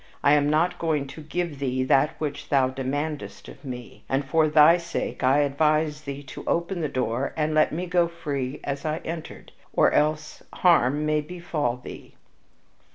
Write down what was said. I am not going to give thee that which thou demandest of me, and for thy sake I advise thee to open the door and let me go free as I entered, or else harm may befall thee."